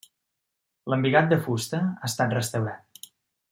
L'embigat de fusta ha estat restaurat.